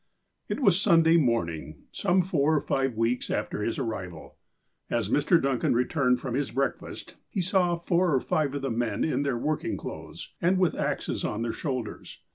It was Sunday morning, some four or five weeks after his arrival. As Mr. Duncan returned from his break fast, he saw four or five of the men in their working clothes, and with axes on their shoulders.